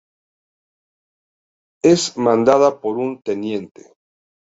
Es mandada por un Teniente.